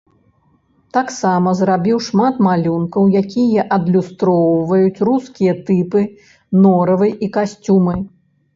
Таксама зрабіў шмат малюнкаў, якія адлюстроўваюць рускія тыпы, норавы і касцюмы.